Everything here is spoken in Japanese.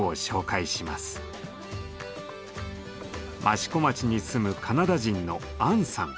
益子町に住むカナダ人のアンさん。